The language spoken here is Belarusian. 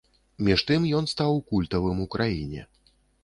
Між тым, ён стаў культавым у краіне.